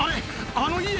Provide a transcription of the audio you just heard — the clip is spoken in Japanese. あの家？